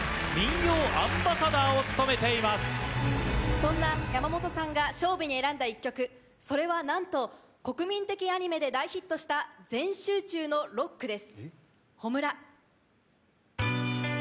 そんな山本さんが勝負に選んだ１曲それはなんと国民的アニメで大ヒットした全集中のロックです。